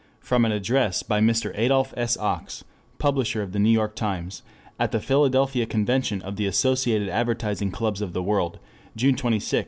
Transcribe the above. From an address by Mr. Adolph S. Ochs, publisher of the New York Times, at the Philadelphia Convention of the Associated Advertising Clubs of The World, June 26, 1916.